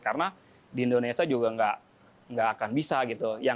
karena di indonesia juga nggak akan bisa gitu